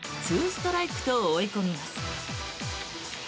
２ストライクと追い込みます。